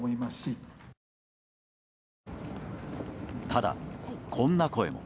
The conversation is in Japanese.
ただ、こんな声も。